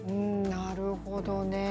なるほどね。